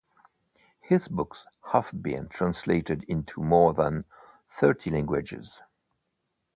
His books have been translated into more than thirty languages.